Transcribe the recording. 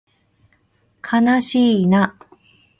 かなしいな